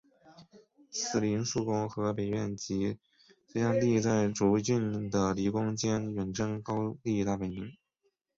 此临朔宫和北苑即隋炀帝在涿郡的离宫兼远征高丽大本营。